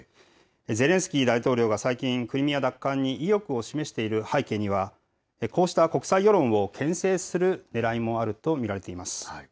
ゼレンスキー大統領が最近、クリミア奪還に意欲を示している背景には、こうした国際世論をけん制するねらいもあると見られています。